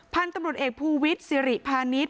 พันธุ์ตำรวจเอกภูวิทธิ์ศิริพานิษฐ์